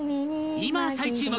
今再注目